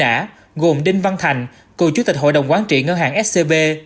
truy nã gồm đinh văn thành cựu chủ tịch hội đồng quán trị ngân hàng scb